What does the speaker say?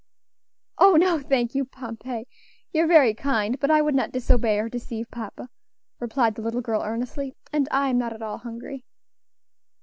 "Oh! no, thank you, Pompey; you're very kind, but I would not disobey or deceive papa," replied the little girl, earnestly; "and I am not at all hungry."